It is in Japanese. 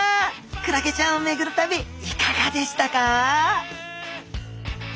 クラゲちゃんを巡る旅いかがでしたか？